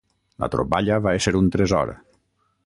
La troballa va ésser un tresor